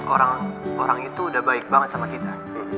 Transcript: orang orang itu udah baik banget sama kita